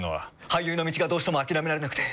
俳優の道がどうしても諦められなくて。